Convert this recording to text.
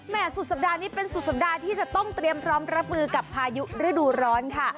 สุดสัปดาห์นี้เป็นสุดสัปดาห์ที่จะต้องเตรียมพร้อมรับมือกับพายุฤดูร้อนค่ะ